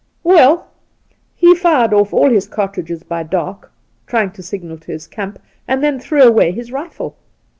' Well, he fired off all his cartridges by dark, trying to signal to his camp, and then threw away his rifle.